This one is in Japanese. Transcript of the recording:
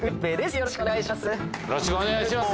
よろしくお願いします。